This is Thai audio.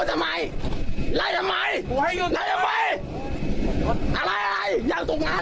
เอาไปยืนขอไปยืนอ้างยังมือ